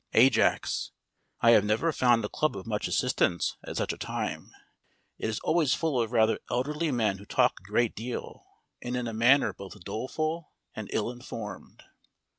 AJAX: I have never found a club of much assistance at such a time. It is always full of rather elderly men who talk a great deal and in a manner both doleful and ill informed.